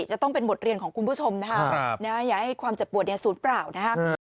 จะต้องเป็นบทเรียนของคุณผู้ชมนะครับอย่าให้ความเจ็บปวดศูนย์เปล่านะครับ